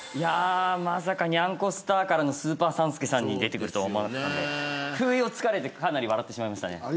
まさかにゃんこスターからスーパー３助さん出てくると思わなかったんで不意を突かれてかなり笑ってしまいましたね。